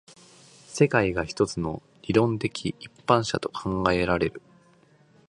世界が一つの論理的一般者と考えられる。